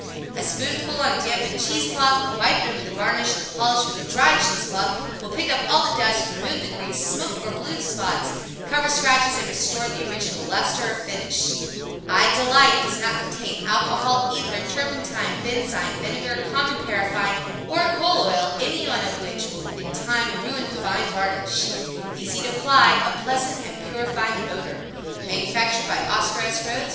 A spoonful on a dampened cheese cloth wiped over the varnish and polished with a dry cheese cloth will pick up all the dust, remove the grease, smoked or blued spots, cover scratches and restore the original lustre or finish. I DE LITE does not contain alcohol, ether, turpentine, benzine, vinegar, common paraffine or coal oil, anyone of which will in time ruin fine varnish. Easy to apply, a pleasant and purifying odor. Manufactured by OSCAR S. RHOADS.